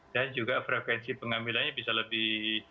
dan juga frekuensi pengambilannya bisa lebih